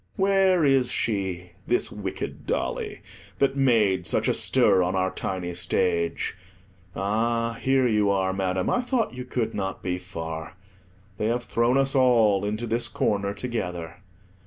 Where is she, this wicked dolly, that made such a stir on our tiny stage? Ah, here you are, Madam; I thought you could not be far; they have thrown us all into this corner together.